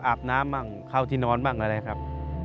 อาบน้ำบ้างเข้าที่นอนบ้างอะไรครับ